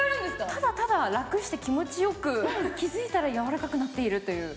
ただただ楽して気持ちよく、気づいたらやわらかくなっているという。